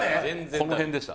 この辺でした。